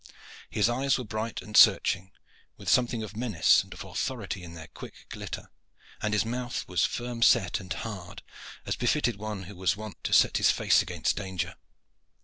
His eyes were bright and searching, with something of menace and of authority in their quick glitter, and his mouth was firm set and hard, as befitted one who was wont to set his face against danger.